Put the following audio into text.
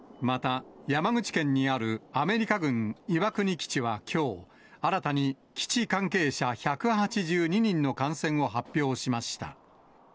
また、山口県にあるアメリカ軍岩国基地はきょう、新たに基地関係者１８２人の感染を発表しました。